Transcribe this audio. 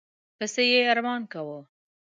پسي یې ارمان کاوه.